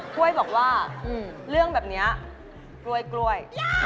กล้วยบอกว่าเรื่องแบบนี้กล้วย